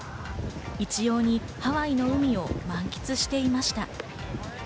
いちようにハワイの海を満喫していました。